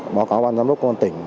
báo cáo bàn giám đốc công an tỉnh